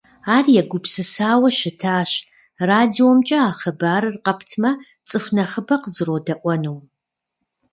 Ар егупсысауэ щытащ радиомкӏэ а хъыбарыр къэптмэ, цӏыху нэхъыбэ къызэродэӏуэнум.